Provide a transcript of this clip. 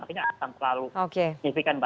artinya akan terlalu signifikan mbak